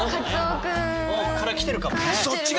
から来てるかもね。